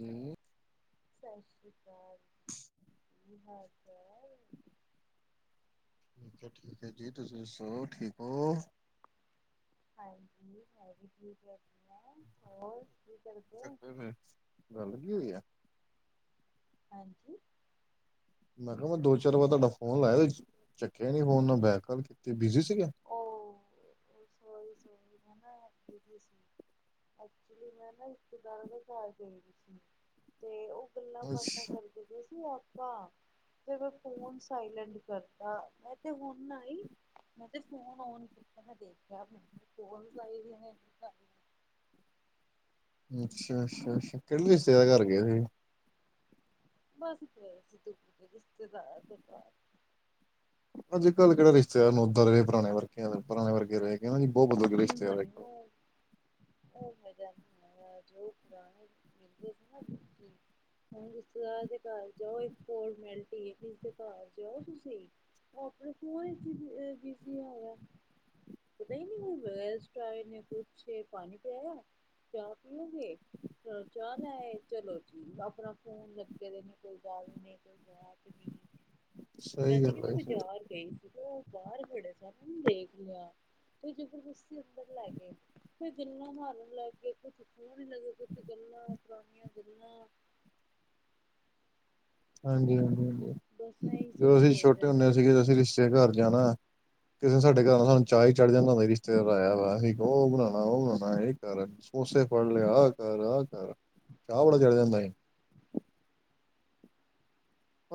ਜੇ। ਸਤਿ ਸ਼੍ਰੀ ਅਕਾਲ ਜੀ, ਕੀ ਹਾਲ ਚਾਲ? ਕਿਆ ਠੀਕ ਹੈ ਜੀ, ਤੁਸੀਂ ਦੱਸੋ ਠੀਕ ਹੋ? ਹਾਂਜੀ ਮੈਂ ਵੀ ਠੀਕ ਹੈਗੀ ਆ ਹੋਰ? [inaudible] ਗੱਲ ਕੀ ਹੋਈ ਐ? ਹਾਂਜੀ। ਮੈਂ ਕਿਹਾ ਮੈਂ ਦੋ ਚਾਰ ਵਾਰ ਤੁਹਾਡਾ ਫੋਨ ਲਾਇਆ ਚੱਕਿਆ ਨੀ ਫੋਨ ਨਾ ਬੈਕ ਕੋਲ ਕੀਤੀ ਬਿਜੀ ਸੀਗੇ। [unintelligible] ਸਹੀ ਸਹੀ ਹਾਂ ਬਿਜੀ ਸੀ। ਐਕਚੁਲੀ ਮੈਂ ਨਾ ਰਿਸ਼ਤੇਦਾਰਾਂ ਦੇ ਘਰ ਗਈ ਦੀ ਸੀ। ਅਤੇ ਉਹ ਗੱਲਾਂ ਬਾਤਾਂ ਅੱਛਾ ਕਰਦੇ ਪਏ ਸੀ ਆਪਾਂ ਫਿਰ ਮੈਂ ਫੋਨ ਸਾਈਲੈਂਟ ਕਰ। ਤਾਂ ਮੈਂ ਤੇ ਹੁਣ ਆਈ ਮੈਂ ਤੇ। ਫੋਨ ਔਨ ਕੀਤਾ ਮੈਂ ਦੇਖਿਆ ਕੋਲਜ ਆਏ ਹੋਏ ਨੇ। ਅੱਛਾ, ਅੱਛਾ, ਅੱਛਾ ਕਿਹੜੇ ਰਿਸ਼ਤੇ ਦੇ ਘਰ ਗਏ ਸੀ? ਬਸ ਗਏ ਸੀ ਦੂਰ ਦੇ ਰਿਸ਼ਤੇਦਾਰਾਂ ਦੇ ਘਰ। ਅੱਜ ਕੱਲ੍ਹ ਕਿਹੜੇ ਰਿਸ਼ਤੇਦਾਰ ਨੂੰ ਉਦਾਂ ਦੇ ਰਹੇ ਪੁਰਾਣੇ ਵਰਗਿਆਂ ਪੁਰਾਣੇ ਵਰਗੇ ਰਹੇ। ਸਾਨੂੰ ਉਹ ਮੈਂ ਜਾਂਦੀ ਜੋ ਪੁਰਾਣੇ ਮਿਲਦੇ ਸੀ ਨਾ। ਹਣ ਰਿਸ਼ਤੇਦਾਰ ਦੇ ਘਰ ਜਾਓ ਇੱਕ ਫੋਰਮੈਲਿਟੀ ਏ ਘਰ ਜਾਓ ਤੁਸੀਂ। ਉਹ ਆਪਣੇ ਫੋਨ ਵਿੱਚ ਬਿਜੀ ਹੈਗਾ। ਪਤਾ ਹੀ ਨਹੀਂ ਕੋ [inaudible] ਨੇ ਪੁੱਛੇ ਪਾਣੀ ਪਿਆਇਆ ਚਾਹ ਪੀਓਗੇ। ਚਲੋ ਚਾਹ ਲੈ ਆਏ ਚਲੋ ਜੀ ਆਪਣਾ ਫੋਨ ਲੱਗੇ ਦੇ ਨੇ ਕੋਈ ਗੱਲ ਨਹੀਂ ਕੋਈ ਬਾਤ ਨਹੀਂ। ਮੈਂ ਸਹੀ ਤੇ ਗੱਲ ਕਿਤੇ ਆ ਸਹੀ। ਬਾਜ਼ਾਰ ਗਈ ਸੀ ਤੇ ਉਹ ਬਾਹਰ ਖੜੇ ਸਨ ਉਹਨਾ ਦੇਖ ਲਿਆ ਉਹ ਜਬਰਦਸਤੀ ਅੰਦਰ ਲੈ ਗਏ। ਉੇ ਗੱਲਾਂ ਮਾਰਨ ਲੱਗ ਗਏ ਕੁਛ ਸੁਣਨ ਲੱਗੇ ਕੁਛ ਗੱਲਾਂ ਪੁਰਾਣੀਆਂ ਗੱਲਾਂ। ਹਾਂਜੀ, ਹਾਂਜੀ, ਹਾਂਜੀ ਬਸ ਇਹੀ ਸਭ ਜਦੋਂ ਅਸੀਂ ਚੱਲ ਛੋਟੇ ਰਿਹਾ ਹੁੰਦੇ ਸੀ। ਸੀਗੇ ਅਸੀਂ ਰਿਸ਼ਤੇਦਾਰਾਂ ਦੇ ਘਰ ਜਾਣਾ। ਕਿਸੇ ਨੇ ਸਾਡੇ ਘਰ ਆਣਾ ਸਾਨੂੰ ਚਾਅ ਹੀ ਚੜ੍ਹ ਜਾਂਦਾ ਸੀ। ਰਿਸ਼ਤੇਦਾਰ ਆਇਆ ਵਾ ਅਸੀਂ ਉਹ ਬਣਾਉਣਾ ਉਹ ਬਣਾਉਣਾ ਇਹ ਕਰ। ਸਮੋਸੇ ਫੜ ਲਿਆ ਆ ਕਰ ਆਹ ਕਰ ਚਾਅ ਬੜਾ ਚੜ ਜਾਂਦਾ ਸੀ।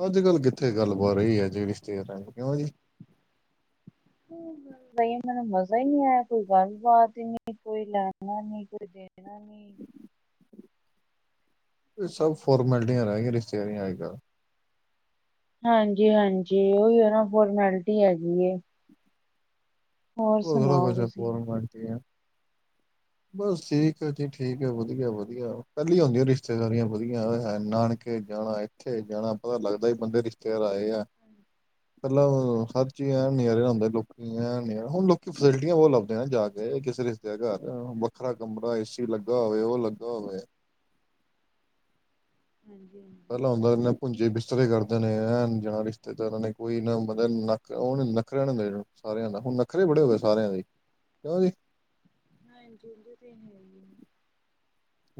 ਅੱਜ ਕੱਲ੍ਹ ਕਿੱਥੇ ਗੱਲ ਬਾਤ ਰਹੀ ਹੈ ਜਿਹੜੀ ਸੇ ਕਿਉਂ ਜੀ? ਨਹੀ ਮੈਨੂੰ ਮਜ਼ਾ ਹੀ ਨਹੀਂ ਆਇਆ ਕੋਈ ਗੱਲਬਾਤ ਨੀ ਕੋਈ ਲੈਣਾ ਨੀ ਕੋਈ ਦੇਣਾ ਨਹੀਂ। ਐਵੇਂ ਹੀ। ਇਹ ਸਭ ਫੋਰਮੈਲਿਟੀਆਂ ਰਹਿ ਗਈਆਂ ਰਿਸ਼ਤੇਦਾਰੀਆਂ ਅੱਜ ਕੱਲ੍ਹ। ਹਾਂਜੀ, ਹਾਂਜੀ ਉਹੀ ਹੈ ਨਾ ਫੋਰਮੈਲਿਟੀ ਹੈਗੀ ਏ। ਉਹ ਬੜਾ ਸੁਣਾਓ ਕੁਛ ਪਰ ਤੁਸੀਂ? ਫੋਰਮੈਲਟੀ ਹੈ। ਬਸ ਠੀਕ ਆ ਜੀ ਠੀਕ ਹੈ ਵਧੀਆ ਵਧੀਆ ਪਹਿਲੇ ਹੁੰਦੀਆਂ ਸੀ ਰਿਸ਼ਤੇਦਾਰੀਆਂ ਵਧੀਆ ਆਏ ਹਾਏ ਨਾਨਕੇ ਥੇ ਜਾਣਾ ਇੱਥੇ ਜਾਣਾ ਪਤਾ ਲੱਗਦਾ ਹੀ ਬੰਦੇ ਰਿਸ਼ਤੇਦਾਰ ਆਏ ਆ। ਪਹਿਲਾਂ ਹਾਂਜੀ ਤੇ ਹਰ ਚੀਜ਼ ਐ ਨਜਾਰੇ ਆਉਦੇ ਲੋਕੀ ਐ ਨਜ਼ਾਰੇ। ਹੁਣ ਲੋਕੀ ਫੈਸਿਲਿਟੀਆਂ ਬਹੁਤ ਲੱਭਦੇ ਜਾ ਕੇ ਕਿਸੇ ਰਿਸ਼ਤੇ ਦੇ ਘਰ ਵੱਖਰਾ ਕਮਰਾ ਏ ਸੀ ਲੱਗਾ ਹੋਵੇ ਉਹ ਲੱਗਾ। ਲੱਗਾ ਹੋਵੇ। ਹਾਂਜੀ ਹਾਂਜੀ। ਪਹਿਲਾ ਹੁੰਦਾ, ਭੂੰਜੇ ਬਿਸਤਰੇ ਕਰਦੇ ਨੇ ਐ ਜਾਂ ਰਿਸ਼ਤੇਦਾਰਾਂ ਨੇ ਕੋਈ ਮਤਲਬ ਨ ਉਹਨ ਨਕਰਿਆ, ਸਾਰਿਆਂ ਨਾਲ ਹੁਣ ਨੱਖਰੇ ਬੜੇ ਹੋ ਗਏ ਸਾਰਿਆਂ ਦੇ ਕਿਉਂ ਜੀ [unintelligible] ਹੈ ਹੀ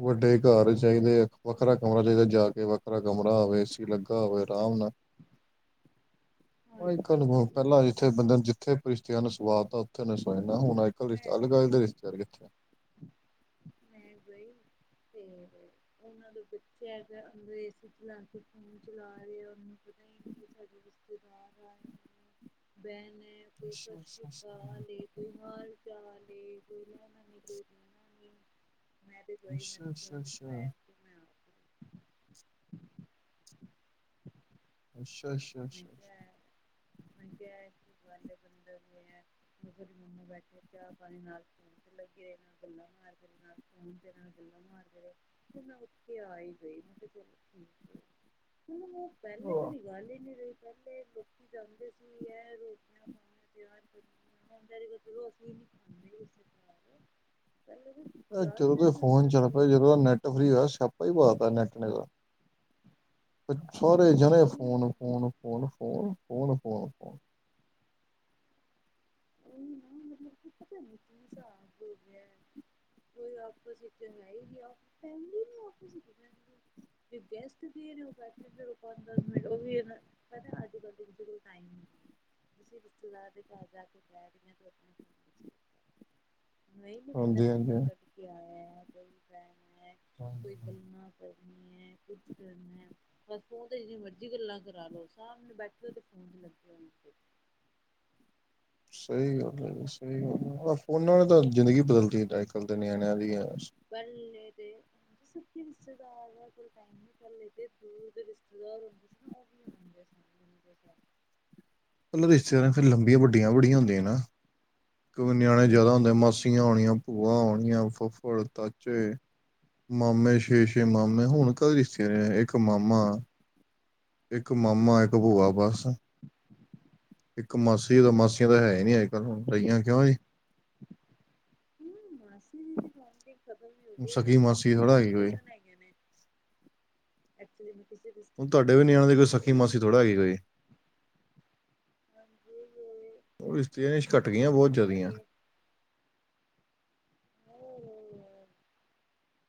ਵੱਡੇ ਘਰ ਚਾਹੀਦੇ ਵੱਖਰਾ ਕਮਰਾ ਚਾਹੀਦਾ ਜਾ ਕੇ ਵੱਖਰਾ ਕਮਰਾ ਆਵੇ ਲੱਗਾ ਹੋਵੇ ਆਰਾਮ ਨਾਲ ਕ ਹਾਂਜੀ ਹੁਣ ਪਹਿਲਾਂ ਜਿੱਥੇ ਪਤਾ ਬੰਦਾ ਜਿੱਥੇ ਰਿਸ਼ਤਿਆਂ ਨੂੰ ਸੁਵਾਦ ਤਾਂ ਉੱਥੇ ਨੇ ਸੋਏ ਹੁਣ ਅੱਜ ਕੱਲ ਰਿ ਮੈਂ ਅਲਗ ਅਲ ਦੇ ਰਿਸ਼ਤੇਾਰ ਕਿਥ ਆ ਮੈਂ ਗਈ ਤੇ [unintelligible] ਉਹਨਾਂ ਦੇ ਬੱਚੇ ਹੈਗਾ ਅੰਦਰ ਏ ਸੀ ਚਲਾ ਕੇ ਫੋਨ ਚਲਾ ਰਹੇ ਆ ਉਹਨੂੰ ਸਾਡੇ ਰਿਸ਼ਤੇਦਾਰ ਆ ਬੈਣ ਸਤਿ ਅੱਛਾ ਸ਼੍ਰੀ ਅੱਛਾ ਅਕਾਲ ਕੋਈ ਮਾਰ ਚੇ ਕੋਈ ਰਹਿਣਾ ਨੀ ਕੋਈ ਰਣਾ ਨੀ ਅੱਛਾ ਅੱਛਾ ਅੱਛਾ ਬੈਠ ਕੇ ਮੈਂ ਆ ਗਈ [unintelligible] ਅੱਛਾ ਅੱਛਾ ਅੱਛਾ ਅੱਛਾ। ਮੈਂ ਕਿਹਾੇ ਬੰਦਾ ਹੈ ਦੇ ਮੰਮਾ ਬੈਠੇ ਚਾਹ ਪਾਣੀ ਨਾਲ। ਲੱਗੇ ਰ ਗੁੱਲਾਂ ਮਾਰਦੇ ਨੇ ਫੋਨ ਦੇ ਨਾਲ ਗੁੱਲਾਂ ਮਾਰਦੇ ਨੇਹੇ। ਤੇ ਮੈਂ ਉੱਥੇ ਆ ਹੀ ਗਈ ਮ ਕਿਹਾ ਚਲ ਠੀਕ ਹੈ ਹੁਣ ਉਹ ਪਹਿਲੇ ਅੱਛਾ ਵਾਲੀ ਗੱਲ। ਨਹੀਂ ਰਹੀ ਪਹਿਲੇ ਲੋਕੀ ਜਾਂਦੇ ਸੀ ਇਹ ਰੋਟੀਆਂ [inaudible] ਚਲੋ ਅਸੀਂ ਨ ਖਾਂਦੇ। ਪਹਿਲੇ ਤਾਂ ਚਾਹ ਹੀ ਜਦੋਂ ਚੜ ਤੇ ਫੋਨ ਜਾਂਦਾ ਚੱਲ ਸੀ ਪਿਆ ਜਦੋਂ ਦਾ ਨੈੱਟ ਫਰੀ ਹੋਇਆ ਸਪਾ ਹੀ ਪਾ ਤ ਨੈਟ ਨੇ ਦਾ। ਸਾਰੇ ਜਣੇ ਨਹੀਂ ਫੋਨ ਫੋਨ ਫੋਨ ਫੋ ਫੋ ਫੋਨ ਫਨ। ਉਹੀ ਨਾ ਮਤਲਬ ਕਿ [inaudible] ਪਤਾ ਨ ਕੀ ਹਿਸਾਬ ਹੋ ਗਿਆ। ਕੋਈ ਆਪਸਟ ਹੈਏਗੀ ਆਪ ਪਹਿਲੀ ਨੂੰ ਆਪਸ ਗੈਸਟ ਦੀ ਬਠ ਰੁਪ ਮ ਵੀ ਨਾ। ਪਤਾ ਅੱਜ ਕੱਲ ਕੋਲ ਟਾਈਮ ਨਹੀਂ ਤੁਸੀਂ ਰਿਸ਼ਤੇਦਾਰ ਦੇ ਘਰ ਜਾ ਕੇ। ਮ ਨ ਬਦਾ ਹਾਂਜੀ ਟਾਈਮ। ਹਾਂਜੀ ਕੇ ਆਇ ਹਾਂ। ਕੋਈ ਗੱਲਾਂ ਕਰਨੀਆਂ ਕੁਝ ਕਰਨਾ ਹੈ। ਬਸ ਫੋਨ ਤੇ ਜਿੰਨੀਆਂ ਮਰਜ਼ੀ ਗੱਲਾਂ ਕਰਾ ਲੋ ਸਾਹਮਣੇ ਬੈਠੇ ਤੇ ਫੋਨ ਚ ਲੱਗੇ। ਸਹੀ ਗੱਲ ਹੈ ਸਹੀ ਫੋਨਾਂ ਨੇ ਤਾਂ ਜ਼ਿੰਦਗੀ ਬਦਲਦੀ ਅੱਜ ਕੱਲ ਦੇ ਨਿਆਣਿਆਂ ਦੀ ਆ [unintelligible] ਦੇ ਸੀ ਰਿਸ਼ਤੇਦਾਰ ਦਾ ਕੋਈ ਟੇ ਤੇ ਦੂਧ ਰਿਸ਼ਤੇਦਾਰ ਹੁੰਦੇ ਸੀ ਹ [unintelligible] [unintelligible] ਪਲ ਰਿਸ਼ਤੇਦਾਰਾਂ ਫਿਰ ਲੰਬੀਆਂ ਵੱਡੀਆਂ ਵੱੜੀਆਂ ਹੁੰਦੀਆਂ ਨਾ। ਨਿਆਣੇ ਜਿਆਦਾ ਹੁੰਦੇ ਮਾਸੀਆਂ ਹੋਣੀਆਂ ਭੂਆ ਆਣੀਆਂ ਫੱਫੜ ਤਾਚੇ ਮਾਮੇ ਛੇ ਛੇ ਹਾਂ ਮਾਮੇ ਹੁਣ ਕਦੇ ਰਿਸ਼ਤੇ ਇੱਕ ਮਾਮਾ ਇੱਕ ਮਾਮਾ ਇੱਕ ਭੂਆ ਬਸ। ਇੱਕ ਮਾਸੀ ਤਾਂ ਬਸ ਮਾਸੀਆਂ ਤਾਂ ਹੈ ਹੀ ਨੀ ਅੱਜ ਕੱਲ ਹੁਣ ਰਹੀਆਂ ਕਿਉਂ ਜੀ। ਹਮ ਮਸੀ ਦੀਦੇ। ਖਬਮ ਨ ਹੋ ਸਕੀ ਮਾਸੀ ਮਾਸੀਆਂ ਆਆ ਥੋੜ੍ਹਾ ਨੇ ਤੇ ਹੈਗੀ ਕੋਈ ਕਜ਼ਨ ਆਈਆ ਨੇ। ਐਕਚੁਲੀ ਮੈਂ ਕਿਸੇ ਰਿਸ਼ਤੇਦਾਰ ਦੇ ਘਰ ਗਈ। ਥੋੜਾ ਕੋਈ। ਹਾਂਜੀ ਉਹ ਇਸਸ਼ਤਰੀਆਂ ਘੱਟ ਗਈਆਂ ਮੇਰੇ ਬਹੁਤ ਮਾਮਾ ਜਿਆਦੀਆਂ। ਹੀ ਹੈ ਹੋ ਹੋ।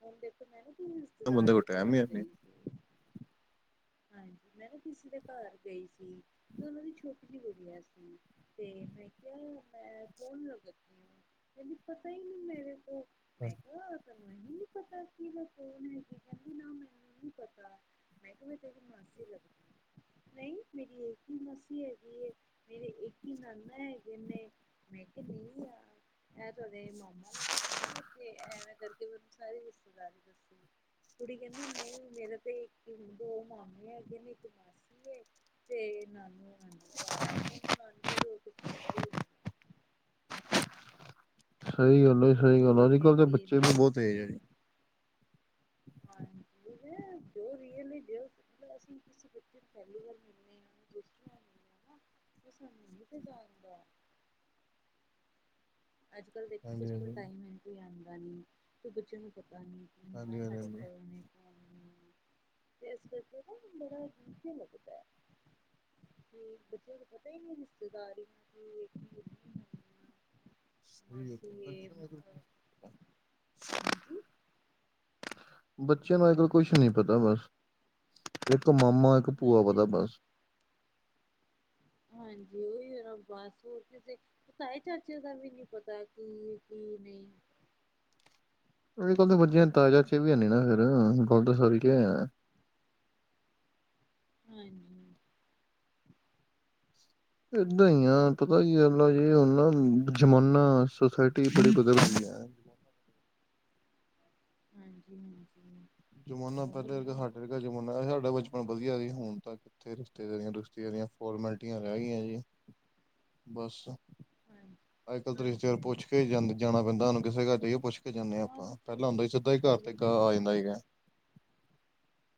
ਹੁਣ ਦੇਖੋ ਮੈਂ ਨਾ। ਰਿਸ਼ਤੇਦਾਰ ਬੰਦੇ ਕੋਲ ਦੇ ਟੈਮ ਈ ਘਰ ਹੈ ਨੀ। ਗਈ ਸੀ ਹਾਂਜੀ, ਮੈਂ ਨਾ ਕਿਸੀ ਦੇ ਘਰ ਗਈ ਸੀ ਤੇ ਉਹਨਾਂ ਦੀ ਸ਼ੋਪ ਵੀ ਵਧੀਆ ਸੀ। ਤੇ ਮੈਂ ਕਿਹਾ ਮੈਂ ਕੌਣ ਲਗਦੀ ਹਾਂ, ਮੈਨੂੰ ਪਤਾ ਹੀ ਨਹੀਂ ਮੇਰੇ ਤੋਂ ਹਾਂ। ਮੈਨੂੰ ਨਹੀਂ ਪਤਾ ਕੀ ਮੈਂ ਕੌਣ ਹੈਗੀ ਆ, ਨਾ ਮੈਨੂੰ ਪਤਾ ਮੈਂ ਤੇਰੀ ਮਾਸੀ ਲੱਗਦੀ ਨਹੀਂ ਮੇਰੀ ਇੱਕ ਹੀ ਮਾਸੀ ਹੈਗੀ, ਮੇਰੇ ਇੱਕ ਹੀ ਨਾਨਾ ਹੈਗੇ ਨੇ, ਮੈਂ ਕਿਹਾ ਨਹੀਂ ਆ ਇਹ ਤੁਹਾਡੇ ਮਾਮਾ ਲੱਗਦੇ ਨੇ ਤੇ ਐਵੇਂ ਕਰਕੇ ਮੈਨੂੰ ਸਾਰੇ ਰਿਸ਼ਤੇਦਾਰੀ ਦੱਸੀ ਕੁੜੀ ਕਹਿੰਦੀ ਨਹੀਂ ਮੇਰਾ ਤੇ ਇੱਕ ਦੋ ਮਾਮੇ ਹੈਗੇ ਨੇ ਇੱਕ ਮਾਸੀ ਹੈ ਤੇ ਨਾਨੂ ਨਾਨੀ ਬਸ, ਉਹਨੂੰ ਨਾਨਕੇ ਤੇ ਉਹ ਕੁਛ ਪਤਾ ਹੀ ਨੀ। ਸਹੀ ਗੱਲ ਹੈ ਕਿ ਸਹੀ ਗੱਲ ਆ, ਅੱਜ ਕੀ ਹੈ ਕੱਲ੍ਹ ਦੇ ਕੀ ਬੱਚੇ ਨਹੀਂ ਵੀ ਬਹੁਤ ਤੇਜ ਆ ਜੀ। ਹਾਂ। ਜੋ ਵੀ ਐ [unintelligible] ਅਸੀਂ ਕਿਸੇ ਬੱਚੇ ਨੂੰ ਪਹਿਲੀ ਵਾਰ ਮਿਲਦੇ ਹਾਂ ਤੇ ਸਾਨੂੰ ਨੀ ਪਹਿਚਾਣਦਾ ਅੱਜ ਕੱਲ੍ਹ ਦੇਖ, ਕਿਸ ਹਾਂਜੀ ਹਾਂਜੀ ਕੋਲ ਟਾਈਮ ਹੈ ਕੋਈ ਆਉਂਦਾ ਨਹੀਂ, ਕੋ ਬੱਚੇ ਨੂੰ ਪਤਾ ਨਹੀਂ। ਹਾਂਜੀ ਹਾਂਜੀ ਸਾਡੇ ਹਾਂਜੀ ਕੋਲ ਨੇ ਤੇ ਇਸ ਕਰਕੇ ਨਾ, ਬੜਾ ਅਜੀਬ ਜਯਾ ਲੱਗਦਾ ਹੈ। ਕਿ ਬੱਚਿਆਂ ਨੂੰ ਪਤਾ ਹੀ ਨੀ ਰਿਸ਼ਤੇਦਾਰੀ ਨੂੰ ਕਿ ਸਹੀ ਹੈ ਮਾਸੀ ਏ, ਬੱਚਿਆਂ ਨੂੰ ਹਾਂਜੀ [unintelligible] ਬੱਚਿਆਂ ਨੂੰ ਅਜਕੱਲ ਕੁਛ ਨੀ ਪਤਾ ਬਸ। ਇੱਕ ਮਾਮਾ ਇੱਕ ਭੂਆ ਹਾਂਜੀ ਪਤਾ ਬਸ ਹਾਂਜੀ ਓਹੀ [unintelligible] ਤਾਏ ਚਾਚੇ ਦਾ ਵੀ ਨੀ ਪਤਾ ਕੀ ਏ ਕੀ ਨਈ ਅਜ ਕੱਲ ਦੇ ਬੱਚਿਆਂ ਤਾਏ ਚਾਚੇ ਵੀ ਹੈ ਨੀ ਨਾ ਫੇ ਗਲ ਤਾਂ ਸਾਰੀ ਹਾਂਜੀ ਏਦਾਂ ਈ ਆ, ਪਤਾ ਕਿ ਗੱਲ ਅ ਜੀ ਹੁਣ ਨਾ ਜ਼ਮਾਨਾ, ਸੁੋਸਾਇਟੀ ਬੜੀ ਬਦਲ ਗੀ ਹੈ ਹਾਂਜੀ ਹਾਂਜੀ ਜ਼ਮਾਨਾ ਉਹੀ ਪੇਹਲੇ ਨਾ ਅਰਗਾ ਜ਼ਮਾਨਾ, ਸਾਡਾ ਬਚਪਨ ਵਧੀਆ ਸੀ ਹੁਣ ਤੇ ਤੇ ਰਿਸ਼ਤੇਦਾਰੀਆਂ ਰਿਸ਼ਤੇਦਾਰੀਆਂ ਫੋਰਮੈਲਿਟੀਆਂ ਰਹਿ ਗਈਆਂ ਜੀ, ਬਸ ਹਾਂ [inaudible] ਅੱਜ ਕੱਲ ਤੇ ਰਿਸ਼ਤੇਦਾਰ ਪੁੱਛ ਕੇ ਜਾਂ ਜਾਣਾ ਪੈਂਦਾ ਹੁਣ ਕਿਸੇ ਘਰ ਜਾਈਏ ਪੁੱਛ ਕੇ ਕੇ ਜਾਂਦੇ ਹਾਂ ਆਪਾਂ ਪਹਿਲਾਂ ਹਾਂਜੀ ਹਾਂਜੀ ਹੁੰਦਾ ਸੀ ਸਿੱਧਾ ਹੀ ਘਰ ਤੇ ਗ ਪਹਿਲੇ ਆ ਜਾਂਦਾ ਸੀਗਾ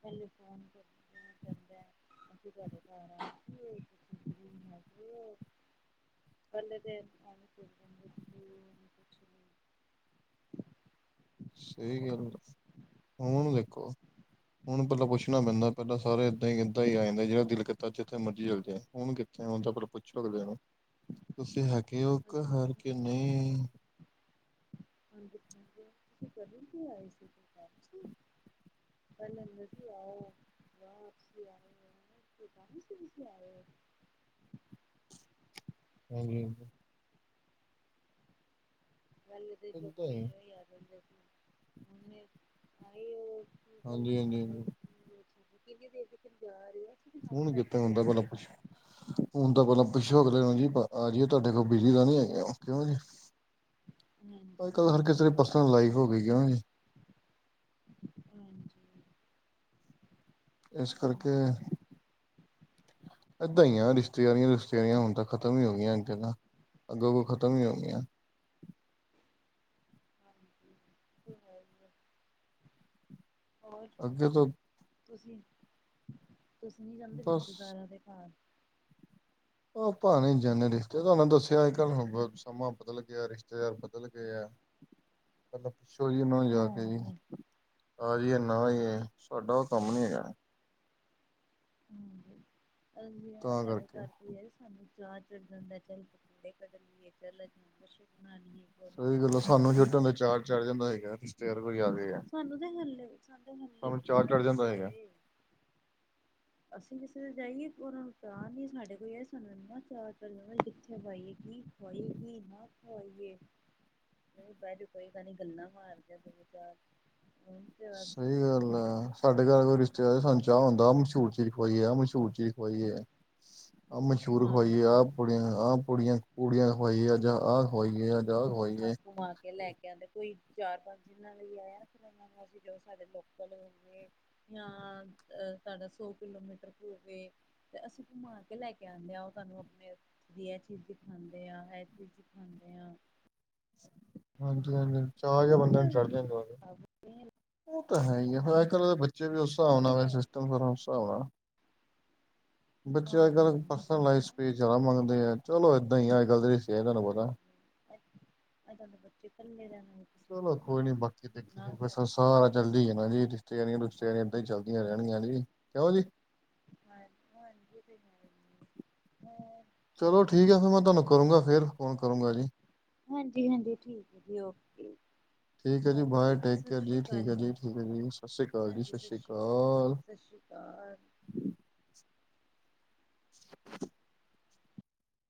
ਪਹਿਲੇ ਫੋਨ ਕਰਦੇ ਜਾਂਦਾ ਅਸੀ ਘਰੇ ਆ [unintelligible] ਵੱਲ ਦੇ [unintelligible] ਸਹੀ ਗੱਲ, ਹੁਣ ਦੇਖੋ। ਹੁਣ ਪਹਿਲਾਂ ਪੁਛਣਾ ਪੈਂਦਾ ਪਹਿਲ ਸਾਰੇ ਏਦਾਂ ਹੀ ਆ ਜਾਂਦੇ ਜਿਹੜਾ ਦਲ ਕੀਤਾ ਜਿੱਥੇ ਮਰਜ਼ੀ ਚੱਲ ਜਾਏ ਹੁਣ ਹੁਣ ਤਾਂ ਪਹਿਲਾਂ ਪੁੱਛੇ ਅਗਲੇ ਨੂੰ, ਤੁਸੀਂ ਹੈਗੇ ਹੋ ਅੱਜ ਘਰ ਪੁੱਛਣਗੇ ਕੇ ਨਹੀਂ? [inaudible] [unintelligible] ਪੈਲੇ ਮਲਕਿ ਆਯਾ ਹੋਏਆ [unintelligible] ਕੋਈ ਕਾਰਨ ਸੀ ਤੁਸੀ ਆਏ ਹੋ? ਹਾਂ [inaudible] ਪਹਿਲੇ ਤੇ ਏਦਾਂ ਲੋਕੀ ਹੀ ਐਵੇਂ ਈ ਆ ਯੰਦੇ ਸੀ, ਆ ਉਹ [unintelligible] ਹਾਂਜੀ, ਹਾਂਜੀ, ਹਾਂਜੀ ਕਿੰਨੀ ਦੇਰ ਦੇ ਫਿਰ ਜਾ ਰਹੇ ਹੋ? [unintelligible] ਹੁਣ ਜਾਣਾ ਕੀਤਾ ਸੀ ਹੁੰਦਾ ਬਲਾ ਕੁੱਸ਼। ਹੁਣ ਤਾਂ ਪਹਿਲਾਂ ਪੁੱਛੋ ਅਗਲੇ ਨੂੰ ਜੀ, ਆ ਜਾਏ ਤੁਹਾਡੇ ਕੋਲ, ਬਿਜ਼ੀ ਤ ਨੀ ਹੈਗੇ, ਕਿਉਂ ਜੀ ਹਾਂਜੀ ਅੱਜ ਕੱਲ ਹਰ ਹਾਂਜੀ ਕਿਸੇ ਦੀ ਪਰਸਨਲ ਲਾਈਫ ਹੋ ਗਈ ਆ ਹਾਂਜੀ ਇਸ ਕਰਕੇ ਏਦਾਂ ਈ ਆ ਰਿਸ਼ਤੇਦਾਰੀਆਂ ਰਸ਼ਤੇਦਾਰੀਆਂ ਹੁਣ ਤਾਂ ਖਤਮ ਹੀ ਹੋ ਗਈਆਂ ਇੰਜ ਨਾ ਅੱਗੋ ਕੁ ਖਤਮ ਈ ਹੋ ਗਈਆਂ [inaudible] ਹੋਰ? ਅੱਗੇ ਤੋਂ ਤੁਸੀਂ, ਤੁਸੀਂ ਨੀ ਜਾਂਦੇ ਬਸ ਰਿਸ਼ਤੇਦਾਰਾਂ ਦੇ ਘਰ? ਉਹ ਭਾਵੇਂ ਜਨੇਲਿਸਟ ਐ, ਤੁਹਾਨੂੰ ਦੱਸਿਆ ਅੱਜ ਕੱਲ੍ਹ ਹੁਣ ਸਮਾਂ ਬਦਲ ਗਿਆ, ਰਿਸ਼ਤੇਦਾਰ ਬਦਲ ਗਿਆ ਪਹਿਲਾਂ ਪੁੱਛੋ ਜੀ ਉਹ ਜਾ ਕੇ ਜੀ। ਹਾਂਜੀ। ਹਾਜੀ ਇੰਨਾ ਹੀ ਹੈ, ਸਾਡਾ ਉਹ ਕੰਮ ਨੀ ਹੈਗਾ ਹਾਂਜੀ ਆਣਾ ਤਾਂ ਸਾਡੇ ਕਰਕੇ ਘਰ ਸਾਨੂੰ ਚਾ ਚੜ ਜਾਂਦਾ, ਚੱਲੜੇ ਕੱਢ ਲਈਏ ਮੈਂਬਰਸ਼ਿਪ ਬਣਾ ਲਈਏ ਸਹੀ ਗੱਲਾਂ ਐ, ਸਾਨੂੰ ਝੱਟ ਚਾਹ ਚੜ ਜਾਂਦਾ ਹੈਗਾ, ਰਿਸ਼ਤੇਦਾਰ ਕੋਈ ਆ ਗਏ ਆ ਸਾਨੂੰ ਤਾਂ ਹੱਲੇ, ਸਾਨੂੰ ਤਾਂ ਹੱਲੇ, ਸਾਨੂੰ ਵੀ ਚਾਹ ਚੜ ਤੇ ਹੀ ਜਾਂਦਾ ਆ ਹੈਗਾ ਜਾਏ। ਅਸੀਂ ਕਿਸੇ ਦੇ ਜਾਈਏ, ਉਨਾਂ ਨੂੰ ਪਿਆਰ ਨੀ, ਸਾਡੇ ਕੋਈ ਆਏ, ਸਾਨੂੰ ਇੰਨਾ ਚਾਹ ਚੜ ਜਾਂਦਾ, ਕਿਥੇ ਪਾਈਏ ਕਿ ਹੋਈ ਵੀ ਨਾ ਖ਼ਵਾਈਏ [inaudible] ਨਈ ਬਾ ਚੋ ਕੋਈ ਤਾਂ ਨੀ, ਗੱਲਾਂ ਮਾਰਦੇ ਚਾਰ ਤੇ ਬਸ ਸਹੀ ਗੱਲ ਆ, ਸਾਡੇ ਘਰ ਕੋਈ ਰਿਸ਼ਤੇਦਾਰ ਆਜੇ ਸਾਨੁ ਚਾ ਹੁੰਦਾ, ਮਸ਼ਹੂਰ ਚੀਜ਼ ਖ਼ਵਾਈਏ, ਮਸ਼ਹੂਰ ਚੀਜ਼ ਹੋਈ ਏ ਆਪ ਮਸ਼ਹੂਰ ਹੋਈ ਏ ਹਾਂਜੀ। ਆਪਣੇ ਆਪ ਪੂੜੀਆਂ ਪੂੜੀਆਂ ਖ਼ਵਾਈਏ, ਅਜ ਆਹ ਖ਼ਵਾਈਏ, ਅਜ ਆਹ ਖ਼ਵਾਈਏ ਘੁੰਮਾ ਕੇ ਲੈ ਕੇ ਆਉਂਦੇ ਕੋਈ ਚਾਰ-ਪੰਜ ਜਿਨਾ ਨਈ ਵੀ ਆਇਆ ਫਿਰ ਉਹਨਾਂ ਨੂੰ, ਅਸੀਂ ਕਿਹਾ ਜੋ ਸਾਡੇ ਲੋਕਲ ਹ ਜਾਂ, ਸਾਡਾ ਸੌ ਕਿਲੋਮੀਟਰ ਦੂਰ ਵੇ ਤੇ ਅਸੀਂ ਘੂਮਾ ਕੇ ਲੈ ਕੇ ਆਉਂਨੇ ਆਂ, ਉਹਾਨੂੰ ਆਪਣੇ ਉਥੇ ਕਦੀ ਇਹ ਚੀਜ਼ ਦਿਖਾਂਦੇ ਆ, ਇਹ ਚੀਜ਼ ਦਿਖਾਂਣ ਹਾਂਜੀ-ਹਾਂਜੀ, ਚਾਹ ਇਹਦੇ ਜਿਯਾ ਨਾਲ ਬੰਦ ਨੂੰ ਚੜ੍ਹ ਹਾਂਜੀ ਜਾਂਦਾਂ ਉਹ ਤਾਂ ਹੈ ਹੀ ਹੈ, ਫਿਰ ਅਜਕੱਲ੍ਹ ਦੇ ਬੱਚੇ ਵੀ ਉਸ ਹਿਸਾਬ ਨਾਲ, ਸਿਸਟਮ ਫੇਰ ਉਸ ਹਿਸਾਬ ਨਾਲ ਬੱਚੇ ਅੱਜ ਕੱਲ ਹਾਂਜੀ ਪਰਸਨਲ ਲਾਈਫ ਸਪੇਸ ਜ਼ਯਾਦਾ ਮੰਗਦੇ ਐ, ਚਲੋ ਏਦਾਂ ਹੀ ਆ ਅੱਜ ਕੱਲ ਦੇ ਕਿਸਤੇਆਂ ਦਾ ਤੁਹਾਨੂੰ ਪਤਾ। ਅਜ-ਕਲ ਦੇ ਬੱਚੇ ਕਲੇ ਕੇ ਚਲੋ ਕੋਈ ਨੀ, ਬਾਕੀ ਦੇਖੀ ਜ ਹਾਂ ਚਲਦੀ ਹੈ ਨਾ ਜੀ, ਰਿਸ਼ਤੇਦਾਰਿਆਂ-ਰੁਸ਼ਤੇਦਾਰਿਆਂ ਏਦਾਂ ਹੀ ਚਲਦੀਆਂ ਰਹਿਣਗੀਆਂ ਜੀ, ਕਿਯੋ ਜੀ ਹਾਂ ਹਾਂਜੀ ਹ ਹ [unintelligible] ਚਲੋ ਠੀਕ ਹੈ, ਫਿਰ ਮੈਂ ਤੁਹਾਨੂੰ ਕਰੂੰਗਾ, ਫੇਰ ਫੋਨ ਕਰੂੰਗਾ ਜੀ। ਹਾਂਜੀ-ਹਾਂਜੀ ਠੀਕ ਹੈ ਜੀ, ਠੀਕ ਹੈ ਓਕੇ-ਓਕੇ ਬਾਏ ਜੀ, ਟੇਕ ਸਤਿ ਕੇਅਰ ਸ਼੍ਰੀ ਜੀ ਠੀਕ ਅਕਾਲ ਹੈ ਜੀ। ਸਤਿ ਠੀਕ ਸ਼੍ਰੀ ਅਕਾਲ ਜੀ, ਹਾਂਜੀ ਸਤਿ ਸ਼੍ਰੀ ਅਕਾਲ ਸਤਿ ਸ਼੍ਰੀ ਅਕਾਲ